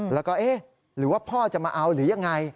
แล้วก็เอ๊ะหรือว่าพ่อจะมาเอาหรือยังไง